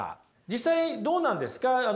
実際どうなんですか？